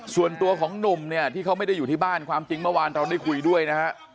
ส่วนตัวของหนุ่มเนี่ยที่เขาไม่ได้อยู่ที่บ้านความจริงเมื่อวานเราได้คุยด้วยนะฮะ